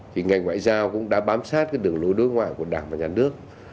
thì ngành ngoại giao cũng đã bám sát đường lối đối ngoại của đảng và nhà nước